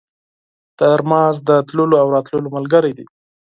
ترموز د تللو او راتلو ملګری دی.